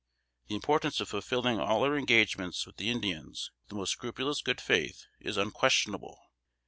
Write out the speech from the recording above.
The importance of fulfilling all our engagements with the Indians with the most scrupulous good faith, is unquestionable.